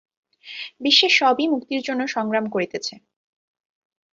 বিশ্বে সবই মুক্তির জন্য সংগ্রাম করিতেছে।